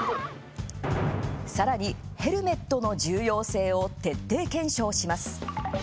さらに、ヘルメットの重要性を徹底検証します。